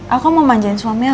aku mau manjain suaminya